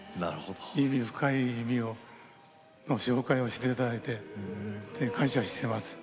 深い意味の紹介をしていただいて感謝しています。